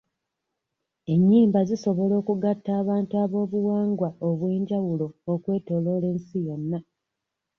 Ennyimba zisobola okugatta abantu ab'obuwangwa obw'enjawulo okwetooloola ensi yonna.